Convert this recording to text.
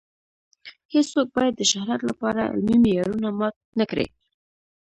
هیڅوک باید د شهرت لپاره علمي معیارونه مات نه کړي.